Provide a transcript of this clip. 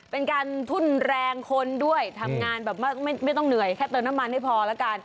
เป็นการทุ่นแรงคนด้วยทำงานแบบไม่ต้องเหนื่อยแค่เติมน้ำมันให้พอแล้วกัน